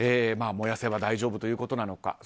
燃やせば大丈夫ということなのか。